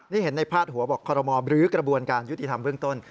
นี่เห็นในพาดหัวบอกคอรมอลบรื้อกระบวนการยุติธรรมเบื้องต้น